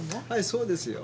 そうですよ。